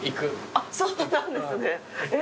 あっそうなんですね。